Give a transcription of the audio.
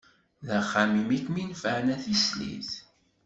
D axxam-im i kem-inefεen, a tislit.